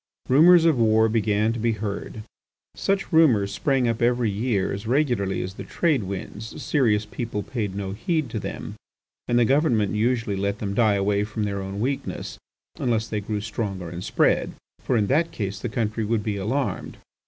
Rumours of war began to be heard. Such rumours sprang up every year as regularly as the trade winds; serious people paid no heed to them and the government usually let them die away from their own weakness unless they grew stronger and spread. For in that case the country would be alarmed.